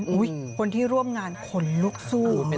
ขออุ๊ยคนที่ร่วมงานขนลูกสู้